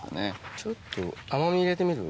ちょっと甘み入れてみる？